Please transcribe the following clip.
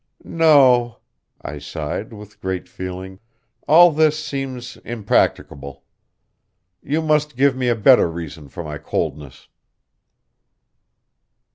No," I sighed with great feeling, "all this seems impracticable. You must give me a better reason for my coldness."